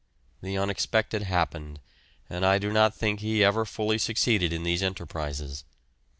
The unexpected happened, and I do not think he ever fully succeeded in these enterprises.